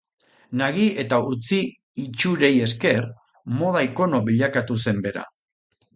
Nagi eta utzi itxurei esker, moda ikono bilakatu zen bera.